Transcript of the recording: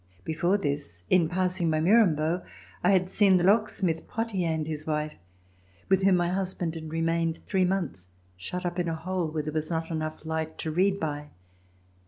Before this, in passing by Mirambeau, I had seen the locksmith, Potier, and his wife, with whom my husband had remained three months, shut up in a hole where there was not enough light to read by.